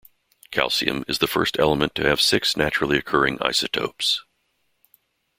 Calcium is the first element to have six naturally occurring isotopes.